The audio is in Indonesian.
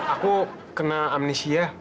aku kena amnesia